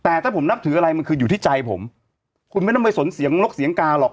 แต่ถ้าผมนับถืออะไรมันคืออยู่ที่ใจผมคุณไม่ต้องไปสนเสียงนกเสียงกาหรอก